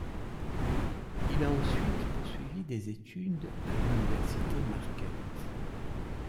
Il a ensuite poursuivi des études à l'université Marquette.